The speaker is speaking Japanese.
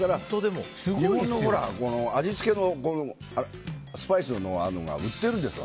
自分の味付けのスパイスの合うのが売ってるんですわ。